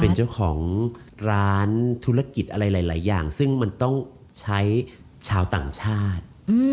เป็นเจ้าของร้านธุรกิจอะไรหลายอย่างซึ่งมันต้องใช้ชาวต่างชาติ